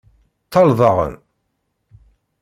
Ṭṭal daɣen!